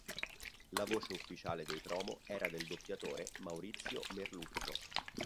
La voce ufficiale dei promo era del doppiatore Maurizio Merluzzo.